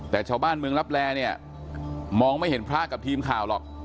แต่ชาวบ้านเมืองลับแลเนี่ยมองไม่เห็นพระกับทีมข่าวหรอก